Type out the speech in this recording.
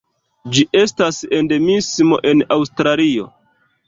Ĝi estas endemismo en Aŭstralio.